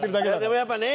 でもやっぱね